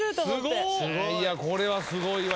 これはすごいわ。